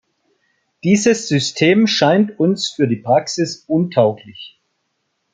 Dieses System scheint uns für die Praxis untauglich.